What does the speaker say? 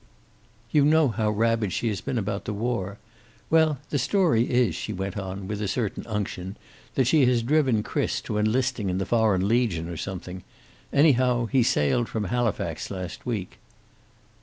"You know how rabid she has been about the war. Well, the story is," she went on, with a certain unction, "that she has driven Chris to enlisting in the Foreign Legion, or something. Anyhow, he sailed from Halifax last week."